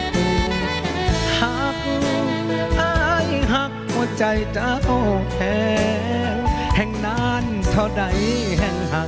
หักหักหัวใจเจ้าแข็งแห่งนานเท่าไหร่แห่งหัก